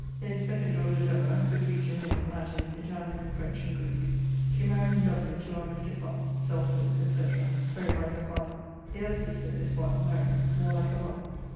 His (2) daughter, Deborah, could read to him Latin, Italian and French, and Greeke. maried in Dublin to one Mr. Clarke (sells silke, etc.); very like her father. The other sister is (1) Mary, more like her mother.